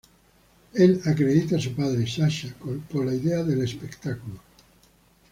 Él acredita a su padre, Sasha, por la idea del espectáculo.